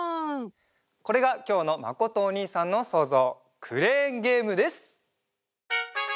これがきょうのまことおにいさんのそうぞうクレーンゲームです！